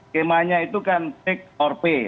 kemanya itu kan take or pay